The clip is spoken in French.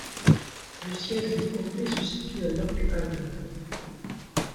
Le siège du comté se situe à Lock Haven.